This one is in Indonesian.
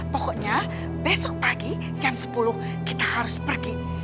pokoknya besok pagi jam sepuluh kita harus pergi